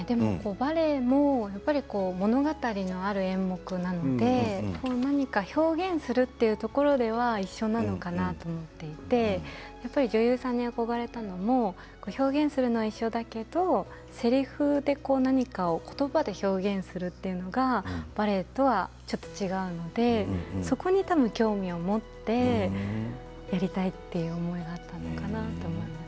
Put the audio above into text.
バレエも物語がある演目なので表現をするというところでは一緒なのかなと思っていて女優さんに憧れたのも表現するのは一緒だけどせりふで何かを言葉で表現するということがバレエとはちょっと違うのでそこに多分、興味を持ってやりたいという思いがあったのかと思います。